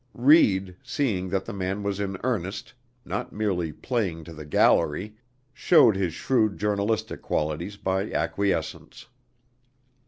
Reid, seeing that the man was in earnest, not merely "playing to the gallery," showed his shrewd journalistic qualities by acquiescence.